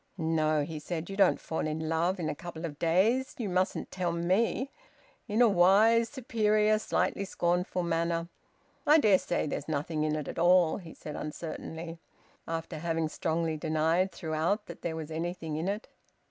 "No," he said, "you don't fall in love in a couple of days. You mustn't tell me " in a wise, superior, slightly scornful manner. "I dare say there's nothing in it at all," he said uncertainly, after having strongly denied throughout that there was anything in it.